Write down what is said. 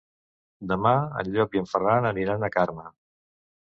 Demà en Llop i en Ferran aniran a Carme.